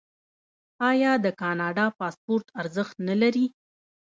آیا د کاناډا پاسپورت ارزښت نلري؟